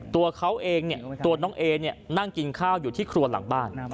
ตัวเขาเองเนี่ยตัวน้องเอนั่งกินข้าวอยู่ที่ครัวหลังบ้าน